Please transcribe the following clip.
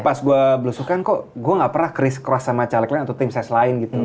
pas gue belusukan kok gue gak pernah keras keras sama caleg lain atau tim ses lain gitu